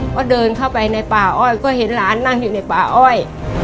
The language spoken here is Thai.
ก็เดินเข้าไปในป่าอ้อยก็เห็นหลานนั่งอยู่ในป่าอ้อย